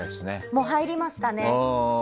もう入りましたね。